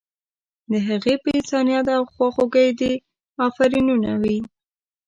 د هغې په انسانیت او خواخوږۍ دې افرینونه وي.